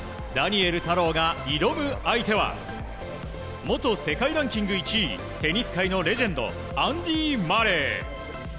ダニエル太郎が挑む相手は元世界ランキング１位テニス界のレジェンドアンディ・マレー。